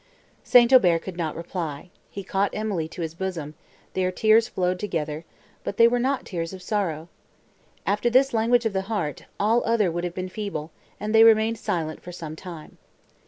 St. Aubert could not reply: he caught Emily to his bosom, their tears flowed together, but—they were not tears of sorrow. After this language of the heart, all other would have been feeble, and they remained silent for some time.